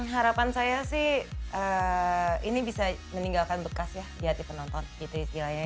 harapan saya sih ini bisa meninggalkan bekas ya di hati penonton gitu istilahnya